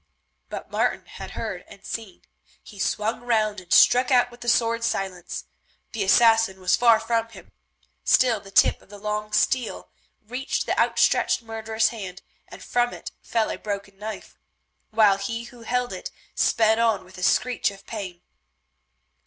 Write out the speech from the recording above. But Martin had heard and seen. He swung round and struck out with the sword Silence. The assassin was far from him, still the tip of the long steel reached the outstretched murderous hand, and from it fell a broken knife, while he who held it sped on with a screech of pain.